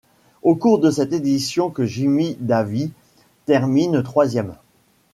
Au cours de cette édition que Jimmy Davies termine troisième.